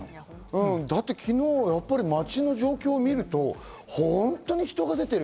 だって昨日の街の状況を見ると本当に人が出てる。